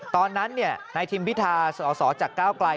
ตอนนั้นนายทิมพิธาสอสอจากก้าวไกล